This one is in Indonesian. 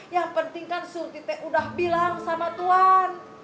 yang penting kan surti teh udah bilang sama tuan